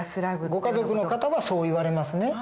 ご家族の方はそう言われますね。